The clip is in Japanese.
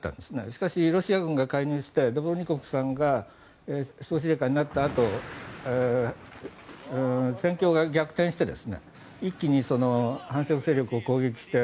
しかし、ロシア軍が介入してドボルニコフさんが総司令官になったあと戦況が逆転して一気に反政府勢力を攻撃して